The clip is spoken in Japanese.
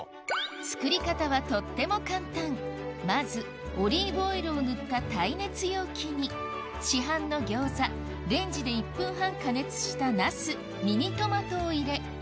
作り方はとっても簡単まずオリーブオイルを塗った耐熱容器に市販の餃子レンジで１分半加熱したナスミニトマトを入れ